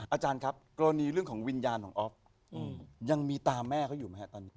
อาจารย์ครับกรณีเรื่องของวิญญาณของอ๊อฟยังมีตาแม่เขาอยู่ไหมครับตอนนี้